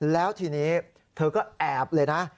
แล้วทีนี้เธอก็แอบเลยนะ